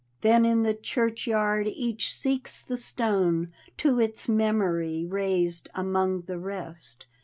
Then in the churchyard each seeks the stone To its memory raised among the rest.